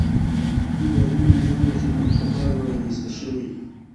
اداري نظام د خدمت لپاره رامنځته شوی.